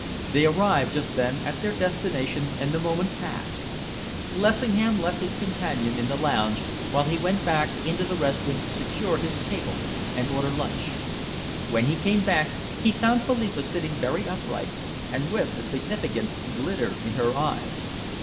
They arrived just then at their destination, and the moment passed. Lessingham left his companion in the lounge while he went back into the restaurant to secure his table and order lunch. When he came back, he found Philippa sitting very upright and with a significant glitter in her eyes.